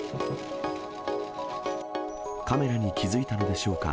カメラに気付いたのでしょうか。